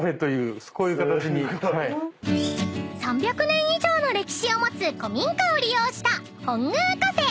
［３００年以上の歴史を持つ古民家を利用した］